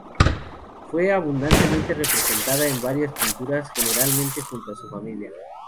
Fue abundantemente representada en varias pinturas, generalmente junto a su familia.